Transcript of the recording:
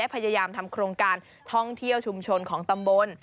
พยายามทำโครงการท่องเที่ยวชุมชนของตำบล